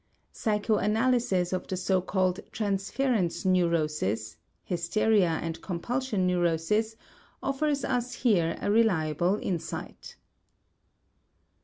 Psychoanalysis of the so called transference neuroses (hysteria and compulsion neurosis) offers us here a reliable insight.